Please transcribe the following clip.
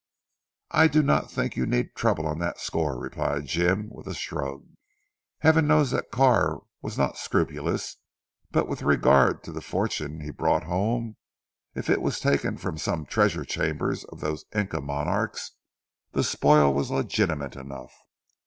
"I do not think you need trouble on that score," replied Jim with a shrug. "Heaven knows that Carr was not scrupulous, but with regard to the fortune he brought home, if it was taken from some treasure chamber of those Inca monarchs, the spoil was legitimate enough.